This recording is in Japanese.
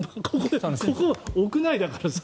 ここ屋内だからさ。